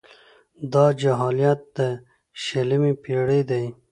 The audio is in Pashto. دا جاهلیت د شلمې پېړۍ دی.